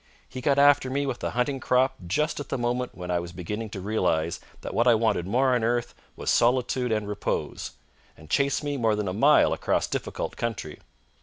He got after me with a hunting crop just at the moment when I was beginning to realise that what I wanted most on earth was solitude and repose, and chased me more than a mile across difficult country.